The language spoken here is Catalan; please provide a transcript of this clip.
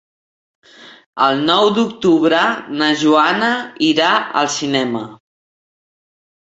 El nou d'octubre na Joana irà al cinema.